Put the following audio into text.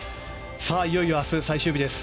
いよいよ明日、最終日です。